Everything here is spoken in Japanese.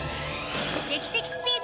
劇的スピード！